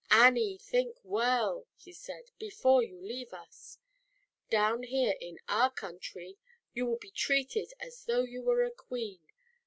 "Annie, think well," he said " before you leave us. Down here in our country you will be treated as though you were a Queen.